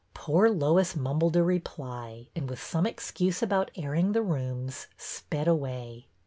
Poor Lois mumbled a reply and, with some excuse about airing the rooms, sped away.